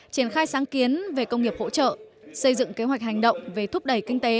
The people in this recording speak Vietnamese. triển khai sáng kiến về công nghiệp hỗ trợ xây dựng kế hoạch hành động về thúc đẩy kinh tế